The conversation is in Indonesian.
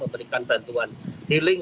memberikan bantuan healing